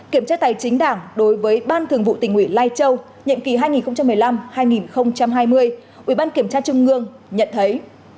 kiểm tra tài chính đảng đối với ban thường vụ tình ủy lai châu nhậm kỳ hai nghìn một mươi năm hai nghìn hai mươi ubnd trung ương nhận thấy